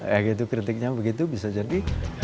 ya gitu kritiknya begitu bisa jadi